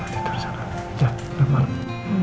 tidur sana udah udah malem